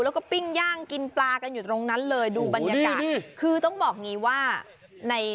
แล้วก็ปิ้งย่างกินปลากันอยู่ตรงนั้นเลยดูบรรยากาศคือต้องบอกอย่างงี้ว่าใน